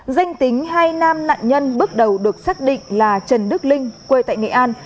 danh tính hai nam nạn nhân bước đầu được xác định là trần đức linh quê tại nghệ an